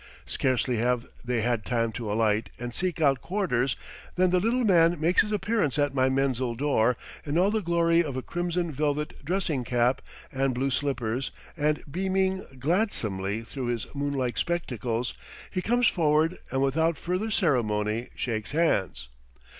Scarcely have they had time to alight and seek out quarters than the little man makes his appearance at my menzil door in all the glory of a crimson velvet dressing cap and blue slippers, and beaming gladsomely through his moon like spectacles, he comes forward and without further ceremony shakes hands.